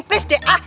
tolong deh ah